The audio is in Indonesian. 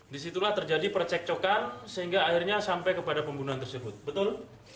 disitulah terjadi percekcokan sehingga akhirnya sampai kepada pembunuhan tersebut betul